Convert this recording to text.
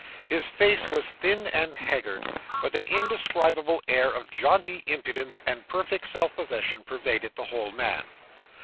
His face was thin and haggard; but an indescribable air of jaunty impudence and perfect self possession pervaded the whole man.